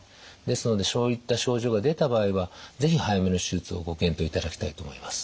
ですのでそういった症状が出た場合は是非早めの手術をご検討いただきたいと思います。